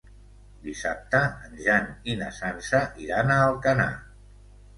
Dissabte en Jan i na Sança iran a Alcanar.